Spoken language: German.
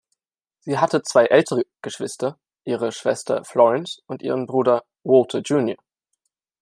Sie hatte zwei ältere Geschwister, ihre Schwester Florence und ihren Bruder Walter Jr.